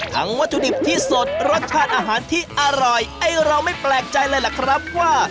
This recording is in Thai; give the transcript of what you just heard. วัตถุดิบที่สดรสชาติอาหารที่อร่อยไอ้เราไม่แปลกใจเลยล่ะครับว่า